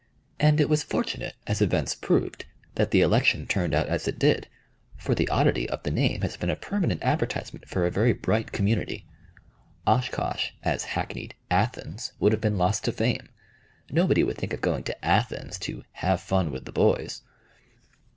And it was fortunate, as events proved, that the election turned out as it did, for the oddity of the name has been a permanent advertisement for a very bright community. Oshkosh, as hackneyed "Athens," would have been lost to fame. Nobody would think of going to "Athens" to "have fun with the boys."